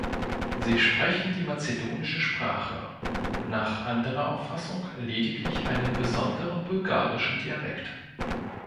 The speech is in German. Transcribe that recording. Sie sprechen die mazedonische Sprache, nach anderer Auffassung lediglich einen besonderen bulgarischen Dialekt.